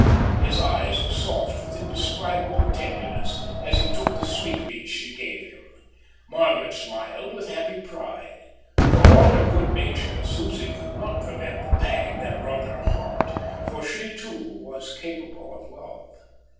His eyes were soft with indescribable tenderness as he took the sweetmeats she gave him. Margaret smiled with happy pride. For all her good nature, Susie could not prevent the pang that wrung her heart; for she too was capable of love.